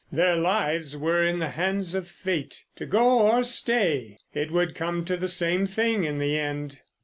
Their lives were in the hands of fate. To go or stay—it would come to the same thing in the end.